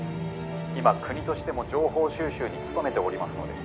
今、国としても情報収集に努めています。